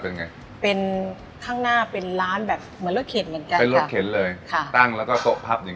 เป็นไงเป็นข้างหน้าเป็นร้านแบบเหมือนรถเข็นเหมือนกันเป็นรถเข็นเลยค่ะตั้งแล้วก็โต๊ะพับอย่าง